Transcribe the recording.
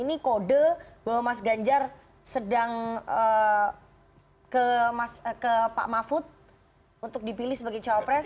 ini kode bahwa mas ganjar sedang ke pak mahfud untuk dipilih sebagai cawapres